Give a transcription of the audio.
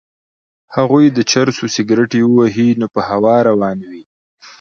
هغوی د چرسو سګرټی ووهي نو په هوا روان وي.